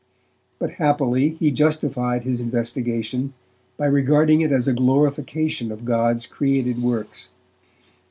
But happily he justified his investigation by regarding it as a glorification of God's created works.